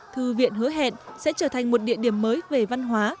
thư viện hứa hẹn sẽ trở thành một địa điểm mới về văn hóa